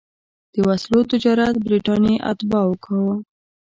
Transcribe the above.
د وسلو تجارت برټانیې اتباعو کاوه.